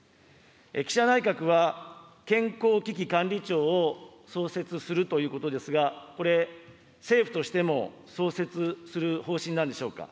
岸田内閣は、健康危機管理庁を創設するということですが、これ、政府としても創設する方針なんでしょうか。